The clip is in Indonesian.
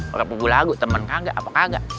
orang punggu lagu teman kagak apa kagak